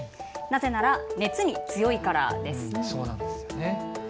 なぜなら熱に強いからです。